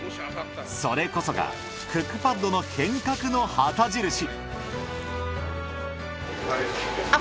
それこそがクックパッドの変革の旗印！